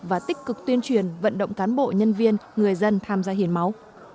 và tích cực tuyên truyền vận động cán bộ nhân viên người dân tham gia hiến máu